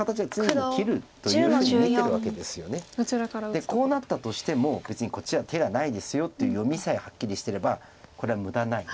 でこうなったとしても別にこっちは手がないですよっていう読みさえはっきりしてればこれは無駄ない。